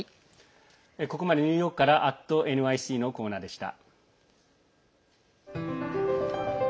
ここまでニューヨークから「＠ｎｙｃ」のコーナーでした。